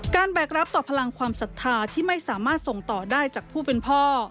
แบกรับต่อพลังความศรัทธาที่ไม่สามารถส่งต่อได้จากผู้เป็นพ่อ